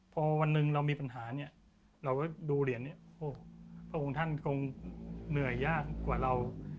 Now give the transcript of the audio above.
พอวันหนึ่งเรามีปัญหาเนี่ยเราดูเหรียญนี้พระองค์ท่านคงเหนื่อยยากกว่าเรา